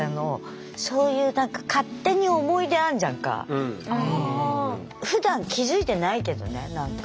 そういう何かふだん気付いてないけどね何か。